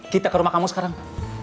kita ke rumah kang mus sekarang